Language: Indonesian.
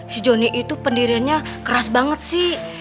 si joni itu pendiriannya keras banget sih